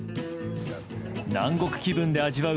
南国気分で味わう